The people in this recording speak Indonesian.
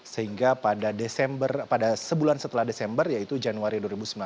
sehingga pada desember sebulan setelah desember yaitu januari dua ribu sembilan belas